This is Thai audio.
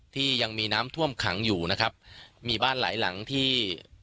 ที่ยังมีน้ำท่วมขังอยู่นะครับมีบ้านหลายหลังที่